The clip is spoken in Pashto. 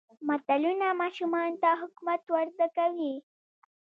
متلونه ماشومانو ته حکمت ور زده کوي.